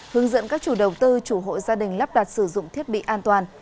hướng dẫn các chủ đầu tư chủ hộ gia đình lắp đặt sử dụng thiết bị an toàn